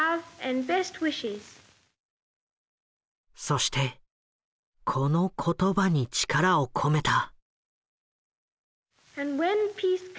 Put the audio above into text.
そしてこの言葉に力を込めた。